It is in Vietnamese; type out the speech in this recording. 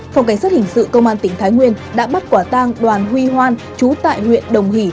phòng cảnh sát hình sự công an tỉnh thái nguyên đã bắt quả tang đoàn huy hoan chú tại huyện đồng hỷ